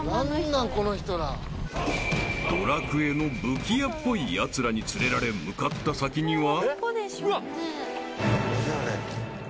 ［『ドラクエ』の武器屋っぽいやつらに連れられ向かった先には］